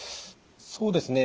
そうですね